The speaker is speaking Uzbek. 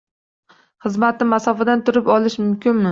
Xizmatni masofadan turib olish mumkinmi?